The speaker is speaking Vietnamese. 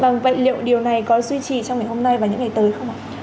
vâng vậy liệu điều này có duy trì trong ngày hôm nay và những ngày tới không ạ